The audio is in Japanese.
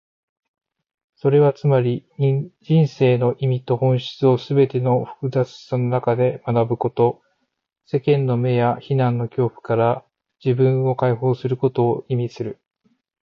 それはつまり、人生の意味と本質をすべての複雑さの中で学ぶこと、世間の目や非難の恐怖から自分を解放することを意味する。